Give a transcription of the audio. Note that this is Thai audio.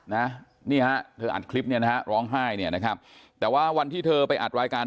นะนี่ฮะเธออัดคลิปเนี่ยนะฮะร้องไห้เนี่ยนะครับแต่ว่าวันที่เธอไปอัดรายการ